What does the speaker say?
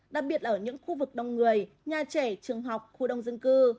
đặc biệt ở những khu vực đông người nhà trẻ trường học khu đông dân cư